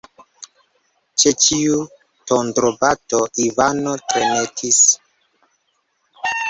Ĉe ĉiu tondrobato Ivano tremetis.